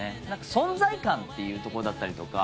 存在感っていうとこだったり。